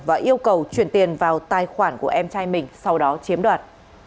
và yêu cầu chuyển tiền vào tài khoản của em trai mình sau đó chiếm đoạt